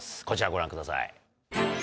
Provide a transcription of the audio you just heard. こちらご覧ください。